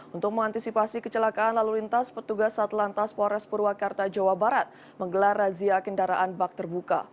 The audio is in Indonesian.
untuk mengantisipasi kecelakaan lalu lintas petugas satlantas polres purwakarta jawa barat menggelar razia kendaraan bak terbuka